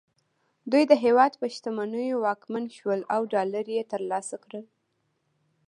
دوی د هېواد په شتمنیو واکمن شول او ډالر یې ترلاسه کړل